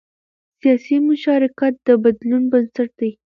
سیاسي مشارکت د بدلون بنسټ دی